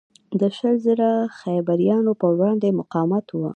د شل زره خیبریانو پروړاندې مقاومت و.